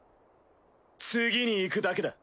次に行くだけだ。